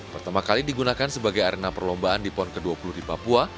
pertama kali digunakan sebagai arena perlombaan di pon ke dua puluh di papua